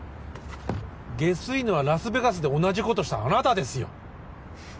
ゲスいのはラスベガスで同じことしたあなたですよ！